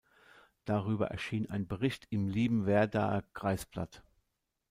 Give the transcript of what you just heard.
Darüber erschien ein Bericht im Liebenwerdaer Kreisblatt.